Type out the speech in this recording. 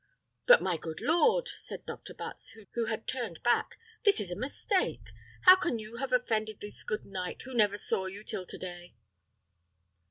"But, my good lord," said Dr. Butts, who had turned back, "this is a mistake. How can you have offended this good knight, who never saw you till to day?"